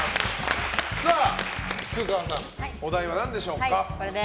菊川さん、お題は何でしょうか。